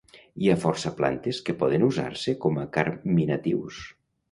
Hi ha força plantes que poden usar-se com a carminatius.